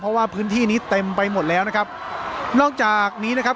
เพราะว่าพื้นที่นี้เต็มไปหมดแล้วนะครับนอกจากนี้นะครับ